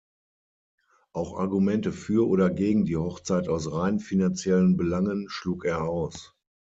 Auch Argumente für oder gegen die Hochzeit aus rein finanziellen Belangen schlug er aus.